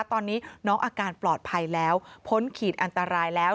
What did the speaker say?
ตอนนี้น้องอาการปลอดภัยแล้วพ้นขีดอันตรายแล้ว